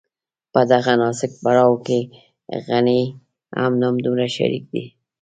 په دغه نازک پړاو کې غني هم همدومره شريک دی.